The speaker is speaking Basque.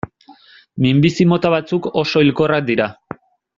Minbizi mota batzuk oso hilkorrak dira.